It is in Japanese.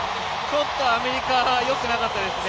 ちょっとアメリカはよくなかったですね。